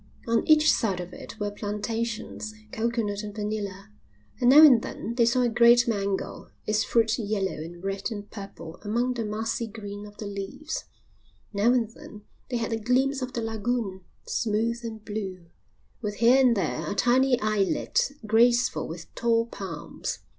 On each side of it were plantations, coconut and vanilla; and now and then they saw a great mango, its fruit yellow and red and purple among the massy green of the leaves; now and then they had a glimpse of the lagoon, smooth and blue, with here and there a tiny islet graceful with tall palms.